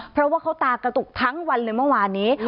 เพราะว่าเขาตากระตุกทั้งวันเลยเมื่อวานนี้